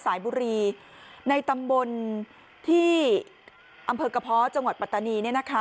สายบุรีในตำบลที่อำเภอกระเพาะจังหวัดปัตตานี